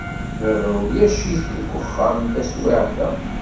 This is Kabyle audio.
Baba ulac-it deg uxxam taswiɛt-a.